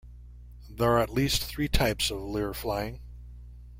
There are at least three types of lure-flying.